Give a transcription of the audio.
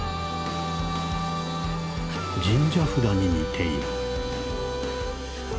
「神社札に似ている。」。